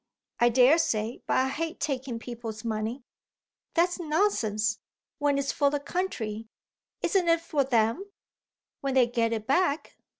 "I daresay, but I hate taking people's money." "That's nonsense when it's for the country. Isn't it for them?" "When they get it back!"